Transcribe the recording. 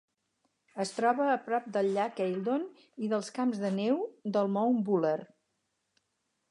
Es troba a prop del llac Eildon i dels camps de neu del Mount Buller.